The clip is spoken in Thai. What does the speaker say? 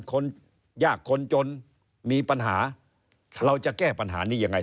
คนยากคนจนมีปัญหาเราจะแก้ปัญหานี้ยังไง